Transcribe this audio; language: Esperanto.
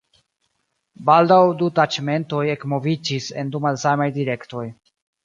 Baldaŭ du taĉmentoj ekmoviĝis en du malsamaj direktoj.